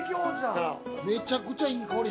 めちゃくちゃいい香り。